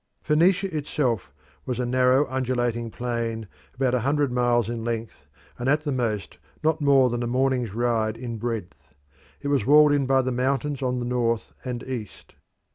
Phoenicia itself was a narrow, undulating plain about a hundred miles in length, and at the most not more than a morning's ride in breadth. It was walled in by the mountains on the north and east.